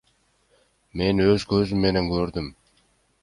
Мен өз көзүм менен көрдүм.